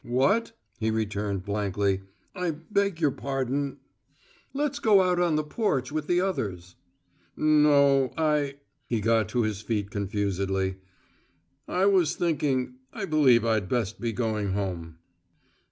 "What?" he returned, blankly. "I beg your pardon " "Let's go out on the porch with the others." "No, I " He got to his feet confusedly. "I was thinking I believe I'd best be going home."